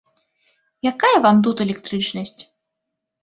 Якая вам тут электрычнасць.